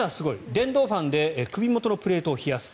電動ファンで首元のプレートを冷やす。